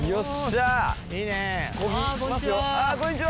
あぁこんにちは。